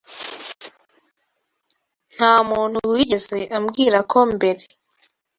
Nta muntu wigeze ambwira ko mbere.